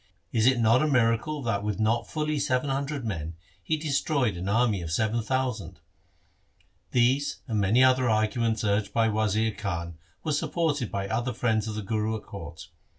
Is it not a miracle that with not fully seven hundred men he destroyed an army of seven thousand ?' These and many other argu ments urged by Wazir Khan were supported by other friends of the Guru at court.